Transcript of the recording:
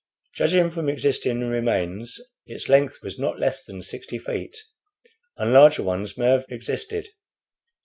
Judging from existing remains its length was not less than sixty feet, and larger ones may have existed.